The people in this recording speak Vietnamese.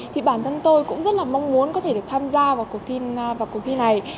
thì bản thân tôi cũng rất là mong muốn có thể được tham gia vào cuộc thi này